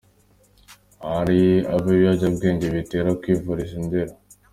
Hari abo ibiyobyabwenge bitera kwivuriza i Ndera